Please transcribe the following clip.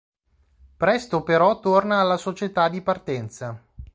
Presto però torna alla società di partenza.